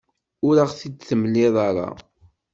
Ur aɣ-t-id-temliḍ ara.